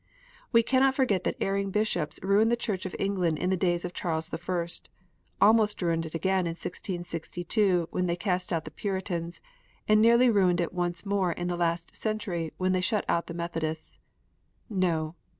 We cannot forget that erring Bishops ruined the Church of England in the days of Charles the First, almost ruined it again in 1662, when they cast out the Puritans, and nearly ruined it once more in the last century, when they shut out the Methodists. No